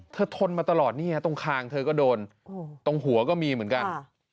เธอทนมาตลอดตรงขางเธอก็โดนตรงหัวก็มีเหมือนกัน